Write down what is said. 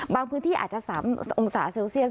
พื้นที่อาจจะ๓องศาเซลเซียส